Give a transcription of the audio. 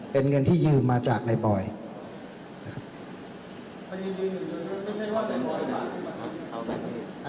เป็นเงินที่ยืมมาจากนายบอยนะครับ